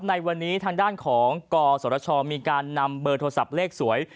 ในวันนี้ทางด้านของกศชมีการนำเบอร์โทรศัพท์เลขสวย